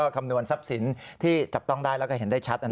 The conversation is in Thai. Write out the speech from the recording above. คำนวณทรัพย์สินที่จับต้องได้แล้วก็เห็นได้ชัด